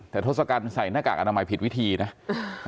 แต่ทศกัณฐ์ใส่หน้ากากอนามัยผิดวิธีนะ